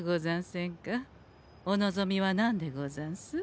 お望みは何でござんす？